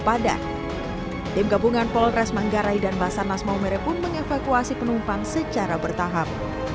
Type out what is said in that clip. padat tim gabungan polres manggarai dan basarnas maumere pun mengevakuasi penumpang secara bertahap